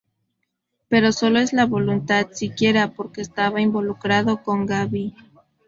Pero sólo es la voluntad siquiera, porque estaba involucrado con Gaby.